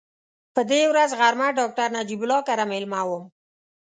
په دې ورځ غرمه ډاکټر نجیب الله کره مېلمه وم.